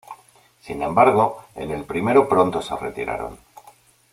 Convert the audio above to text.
Sin embargo, en el primero pronto se retiraron.